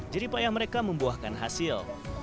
jadi payah mereka membuahkan hasil